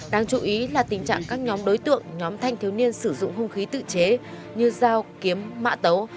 đáng chú ý là tình trạng các nhóm đối tượng nhóm thanh thiếu niên sử dụng hung khí tự chế như dao kiếm mạ tấu